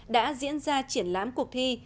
đã diễn ra triển lãm cuộc thi